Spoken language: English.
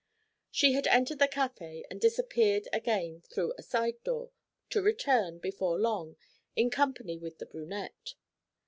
She had entered the café and disappeared again through a side door, to return, before long, in company with the brunette.